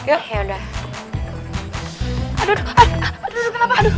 aduh aduh aduh kenapa